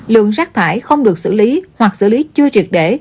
lượng rác thải không được xử lý hoặc xử lý chưa triệt để